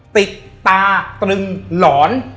ติดตาตรึงหลอน